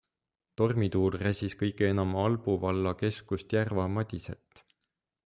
Tormituul räsis kõige enam Albu valla keskust Järva-Madiset.